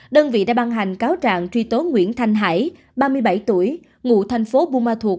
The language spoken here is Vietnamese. đơn vị đã ban hành cáo trạng truy tố nguyễn thanh hải ba mươi bảy tuổi ngụ thành phố buma thuộc